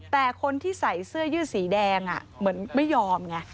แต่คนที่ใส่เสื้อยืดสีแดงเหมือนไม่ยอมไง